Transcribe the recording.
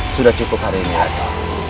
sudah cukup hari ini ada